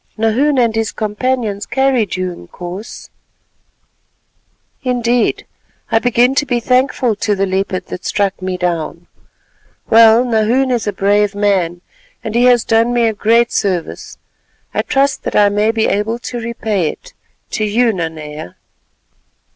"Nahoon and his companions carried you, Inkoos." "Indeed, I begin to be thankful to the leopard that struck me down. Well, Nahoon is a brave man, and he has done me a great service. I trust that I may be able to repay it—to you, Nanea."